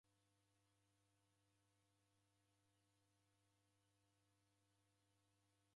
W'andu w'engi w'afaidika kwa mali ra w'avi w'aw'o.